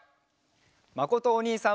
まことおにいさんも。